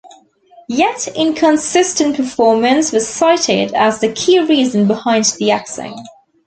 Yet 'inconsistent performance' was cited as the key reason behind the axing.